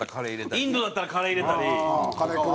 インドだったらカレー入れたり。